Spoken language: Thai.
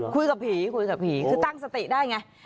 คุยกับผีคุยกับผีคือตั้งสติได้ไง